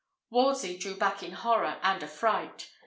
Wolsey drew back in horror and affright.